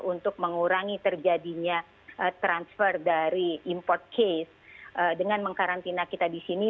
untuk mengurangi terjadinya transfer dari import case dengan mengkarantina kita di sini